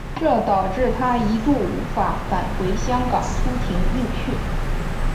这导致他一度无法返回香港出庭应讯。